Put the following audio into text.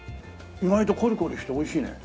意外とコリコリして美味しいね。